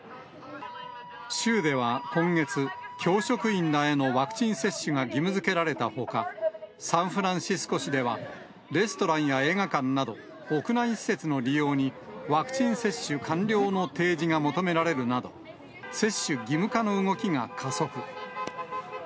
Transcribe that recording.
州では今月、教職員らへのワクチン接種が義務づけられたほか、サンフランシスコ市では、レストランや映画館など、屋内施設の利用に、ワクチン接種完了の提示が求められるなど、接種義務化の動きが加速。